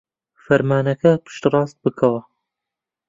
فەرمانەکە پشتڕاست بکەوە.